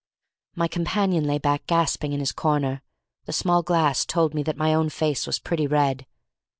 My companion lay back gasping in his corner. The small glass told me that my own face was pretty red.